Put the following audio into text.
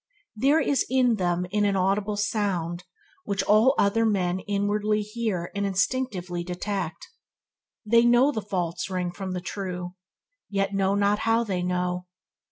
There is in them an inaudible sound which all other men inwardly hear and instinctively detect. They know the false ring from the true, yet know not how they know.